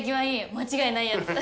間違いないやつ。